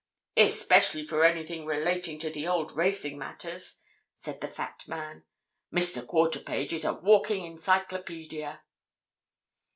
"Especially for anything relating to the old racing matters," said the fat man. "Mr. Quarterpage is a walking encyclopaedia."